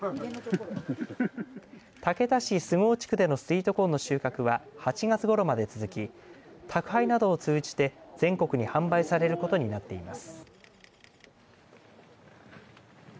竹田市菅生地区でのスイートコーンの収穫は８月ごろまで続き宅配などを通じて全国に販売されることになっています。